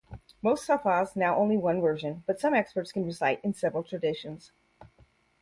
Most huffaz know only one version, but some experts can recite in several traditions.